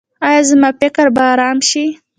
ایا زما فکر به ارام شي؟